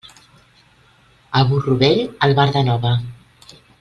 A burro vell, albarda nova.